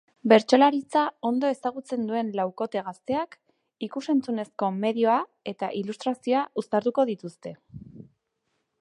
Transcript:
Bertsolaritza ondo ezagutzen duen laukote gazteak ikus-entzunezko medioa eta ilustrazioa uztartuko dituzte.